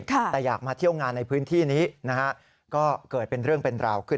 แต่อยากมาเที่ยวงานในพื้นที่นี้นะฮะก็เกิดเป็นเรื่องเป็นราวขึ้น